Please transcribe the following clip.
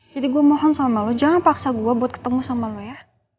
jadi gue mohon sama lo jangan paksa gue buat ketemu sama lo ya